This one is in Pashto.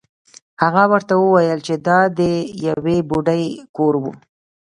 هغه ورته وویل چې دا د یوې بوډۍ کور و.